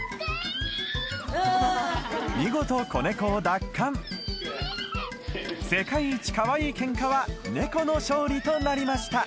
見事子ネコを奪還世界一かわいいケンカはネコの勝利となりました